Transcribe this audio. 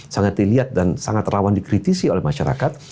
sangat dilihat dan sangat rawan dikritisi oleh masyarakat